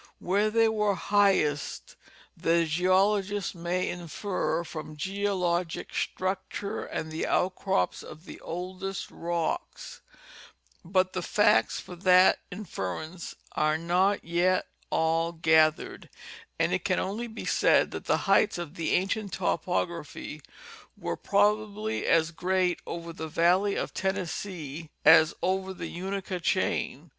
Where they were highest the geologist may infer from geologic structure and the outcrops of the oldest rocks ; but the facts for that inference are not yet all gathered and it can only be said that the heights of that ancient topography were probably as great over the val ley of Tennesseee as over the Unaka chain.